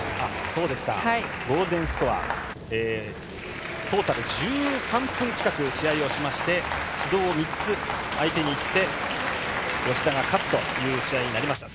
ゴールデンスコアトータル１３分近く試合をしまして指導３つが相手に行って芳田が勝つという試合になりました。